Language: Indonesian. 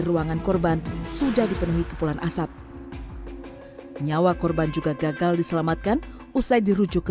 ruangan korban sudah dipenuhi kepulan asap nyawa korban juga gagal diselamatkan usai dirujuk ke